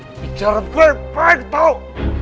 diajak bicara baik baik tau